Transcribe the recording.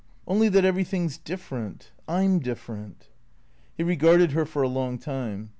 " Only that everything's different. I 'm different." He regarded her for a long time.